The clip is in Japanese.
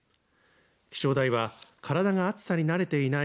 気象台は体が暑さに慣れていない